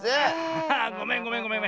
ああごめんごめんごめん。